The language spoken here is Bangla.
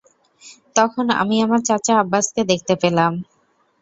তখন আমি আমার চাচা আব্বাসকে দেখতে পেলাম।